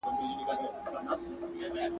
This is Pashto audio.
یو ډاکټر له لیری راغی د ده خواله.